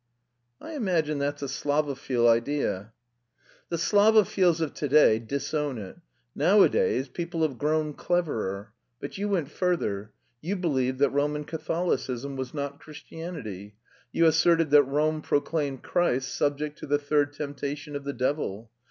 '" "I imagine that's a Slavophil idea." "The Slavophils of to day disown it. Nowadays, people have grown cleverer. But you went further: you believed that Roman Catholicism was not Christianity; you asserted that Rome proclaimed Christ subject to the third temptation of the devil.